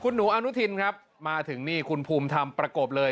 หนูอนุทินครับมาถึงนี่คุณภูมิธรรมประกบเลย